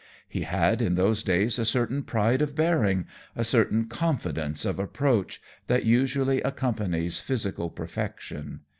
He had in those days a certain pride of bearing, a certain confidence of approach, that usually accompanies physical perfection.